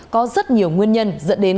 có rất nhiều nguyên nhân dẫn đến